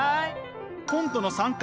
コントの参加